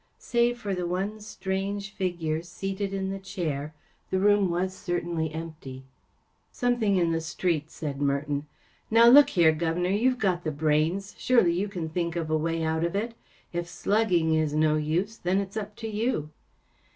Save for the one strange figure seated in the chair, the room was certainly empty. “ Something in the street,‚ÄĚ said Merton. Now look here, guv’nor, you’ve got the brains. Surely you can think a way out of it. If slugging is no use, then it’s up to you.